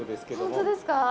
本当ですか？